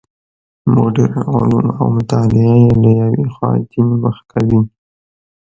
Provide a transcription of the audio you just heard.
مډرن علوم او مطالعې له یوې خوا دین مخ کوي.